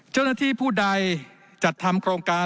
เจ้าหน้าที่ผู้ใดจัดทำโครงการ